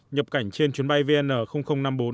nhập cảnh trên chuyến bay vn năm mươi bốn